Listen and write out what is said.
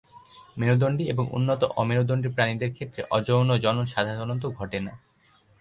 মেরুদণ্ডী এবং উন্নত অমেরুদণ্ডী প্রাণীদের ক্ষেত্রে অযৌন জনন সাধারণত ঘটে না।